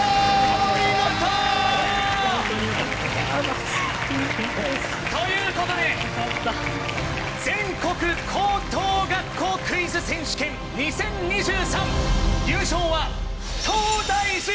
お見事！ということで『全国高等学校クイズ選手権２０２３』。